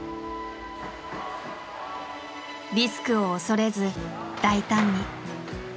リスクを恐れず大胆に。